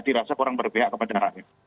dirasa kurang berbahaya kepada darahnya